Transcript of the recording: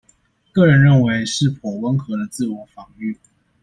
個人認為是頗溫和的自我防禦